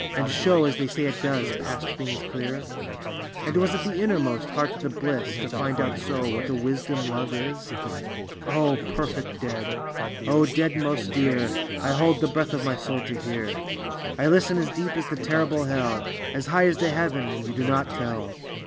And show, as they say it does, past things clear ?" And was it the innermost heart of the bliss To find out so, what a wisdom love is? " O perfect dead I O dead most dear I I hold the breath of my soul to hear. " 1 listen as deep as to terrible hell, As high as to heaven, and you do not tell.